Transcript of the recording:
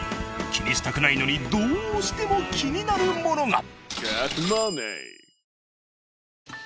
気にしたくないのにどうしても気になるものが。